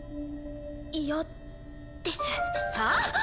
嫌です。はあ？